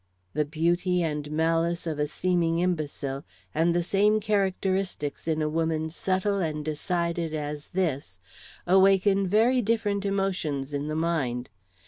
The beauty and malice of a seeming imbecile, and the same characteristics in a woman subtle and decided as this, awaken very different emotions in the mind.